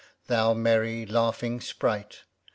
Thou meny, laughing sprite